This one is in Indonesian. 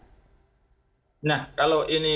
nah kalau ini bisa dikatakan